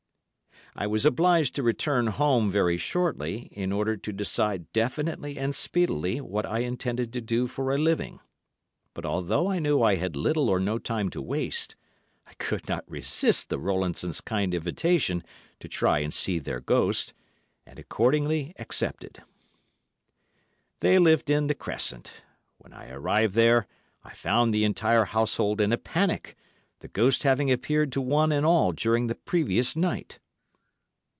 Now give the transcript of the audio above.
I was obliged to return home very shortly, in order to decide definitely and speedily what I intended to do for a living; but although I knew I had little or no time to waste, I could not resist the Rowlandsons' kind invitation to try and see their ghost, and accordingly accepted. They lived in C—— Crescent. When I arrived there, I found the entire household in a panic, the ghost having appeared to one and all during the previous night.